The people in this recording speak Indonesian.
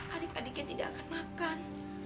adik adiknya tidak akan makan